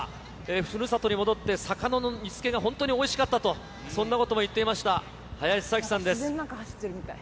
ふるさとに戻って、魚の煮つけが本当においしかったと、そんなことも言っていました、林咲希さんです。